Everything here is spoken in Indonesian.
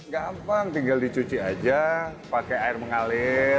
gampang tinggal dicuci aja pakai air mengalir